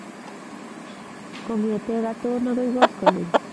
Kong'etee katon akoi koskoleny.